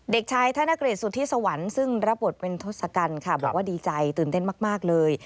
เด็กชายธนกฤษสุธิสวรรค์ซึ่งรับบทเป็นทศกัณฐ์ค่ะบอกว่าดีใจตื่นเต้นมากเลย